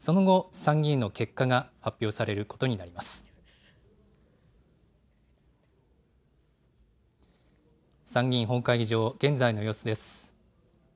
参議院本会議場、現在の様子です。